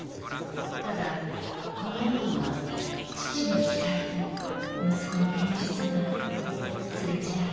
ただこの夜は父の期待と息子の現実がすれ違っていた。